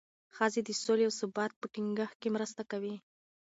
ښځې د سولې او ثبات په ټینګښت کې مرسته کوي.